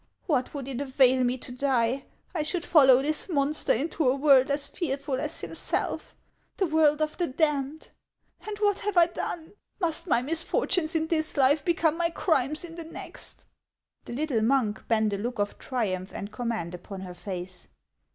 What would it avail me to die ? I should follow this monster into a world as fearful as himself, — the world of the damned! And what have I done ? Must my misfortunes in this life become my crimes in the next ?" The little monk bent a look of triumph and command upon her face.